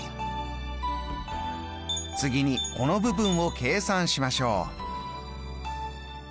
次にこの部分を計算しましょう。